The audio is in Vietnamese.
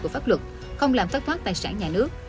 của pháp luật không làm thất thoát tài sản nhà nước